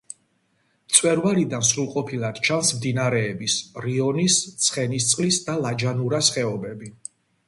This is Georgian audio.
მწვერვალიდან სრულყოფილად ჩანს მდინარეების: რიონის, ცხენისწყლის და ლაჯანურას ხეობები.